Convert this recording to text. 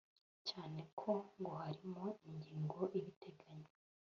cyane ko ngo harimo ingingo ibiteganya